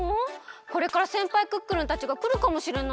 これからせんぱいクックルンたちがくるかもしれないのに。